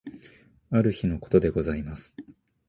ある日の事でございます。